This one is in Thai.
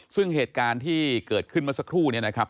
ซึ่งเหตุการณ์ที่เกิดขึ้นเมื่อสักครู่นี้นะครับ